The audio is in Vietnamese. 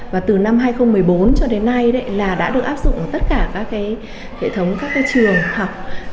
và từ năm hai nghìn một mươi bốn cho đến nay là đã được áp dụng tất cả các cái hệ thống các cái trường học